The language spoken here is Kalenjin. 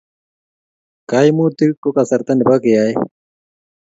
Kaimutik ko kasarta nebo keeae